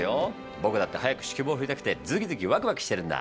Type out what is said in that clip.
僕だって早く指揮棒振りたくてズキズキワクワクしてるんだ。